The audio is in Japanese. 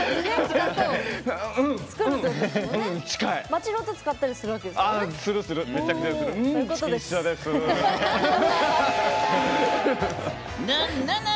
街の音使ったりするわけですもんね。